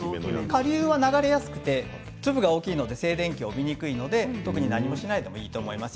かりゅうは流れやすくて粒が大きいので静電気が起きにくいので特に何もしないでもいいと思います。